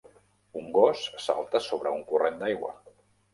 Un gos salta sobre un corrent d'aigua.